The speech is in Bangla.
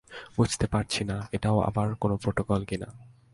বুঝতে পারছি না, এটাও আবার কোনো প্রটোকল কি না।